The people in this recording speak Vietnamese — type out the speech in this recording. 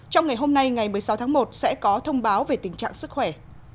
trong ngày hôm nay ngày một mươi sáu tháng một sẽ có thông báo về tình trạng sức khỏe